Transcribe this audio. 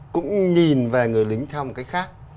cũng nhìn về người lính theo một cách khác